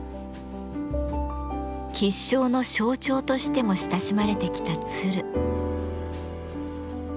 吉祥の象徴としても親しまれてきた鶴。